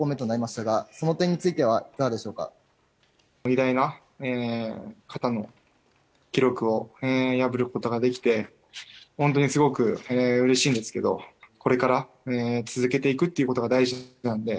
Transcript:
偉大な方の記録を破ることができて本当にすごくうれしいんですけどこれから続けていくということが大事なので。